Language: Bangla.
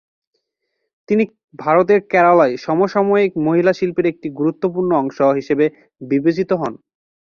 তিনি ভারতের কেরালায় সমসাময়িক মহিলা শিল্পের একটি গুরুত্বপূর্ণ অংশ হিসাবে বিবেচিত হন।